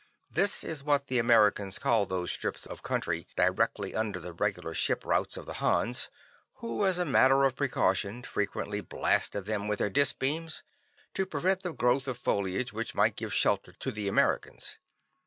This is what the Americans called those strips of country directly under the regular ship routes of the Hans, who as a matter of precaution frequently blasted them with their dis beams to prevent the growth of foliage which might give shelter to the Americans.